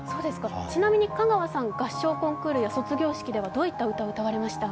ちなみに香川さん、合唱コンクールや卒業式ではどんな歌を歌われました？